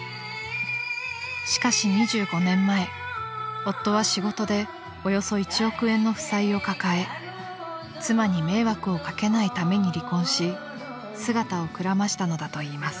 ［しかし２５年前夫は仕事でおよそ１億円の負債を抱え妻に迷惑を掛けないために離婚し姿をくらましたのだといいます］